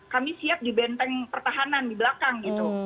kami siap dibenteng pertahanan di belakang